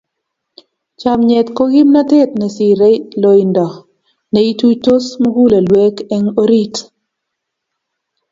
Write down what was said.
Chomnyet ko kimnatet ne sirei loindo, ne ituitos mugulelweek eng orit.